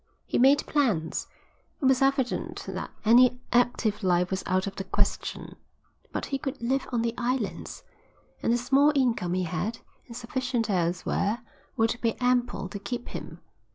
He made plans. It was evident that any active life was out of the question, but he could live on the islands, and the small income he had, insufficient elsewhere, would be ample to keep him.